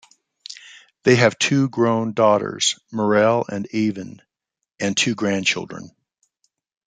They have two grown daughters, Morel and Aven, and two grandchildren.